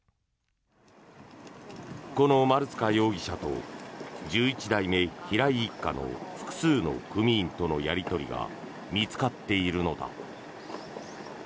この丸塚容疑者と十一代目平井一家の複数の組員とのやり取りが見つかっているのだ。